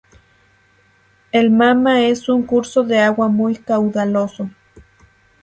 El Mama es un curso de agua muy caudaloso.